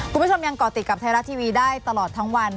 คุณผู้ชมยังก่อติดกับไทยรัฐทีวีได้ตลอดทั้งวัน